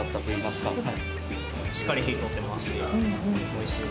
しっかり火が通ってました。